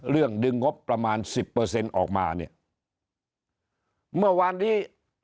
ดึงงบประมาณสิบเปอร์เซ็นต์ออกมาเนี่ยเมื่อวานนี้